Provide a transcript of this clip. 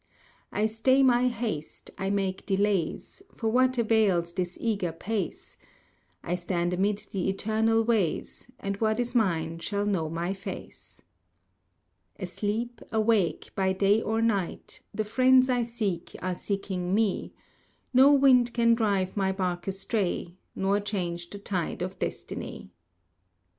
I stay my haste, I make delays, For what avails this eager pace? I stand amid the eternal ways, And what is mine shall know my face. Asleep, awake, by night or day, The friends I seek are seeking me; No wind can drive my bark astray, Nor change the tide of destiny.